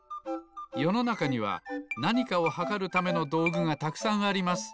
よのなかにはなにかをはかるためのどうぐがたくさんあります。